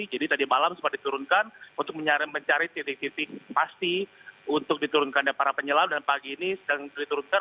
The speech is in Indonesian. jadi tadi malam sudah diturunkan untuk mencari titik titik pasti untuk diturunkan oleh para penyelam dan pagi ini sedang diturunkan